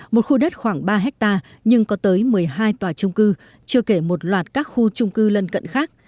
một khu đất khoảng ba hectare nhưng có tới một mươi hai tòa trung cư chưa kể một loạt các khu trung cư lân cận khác